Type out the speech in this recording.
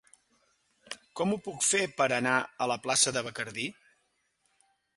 Com ho puc fer per anar a la plaça de Bacardí?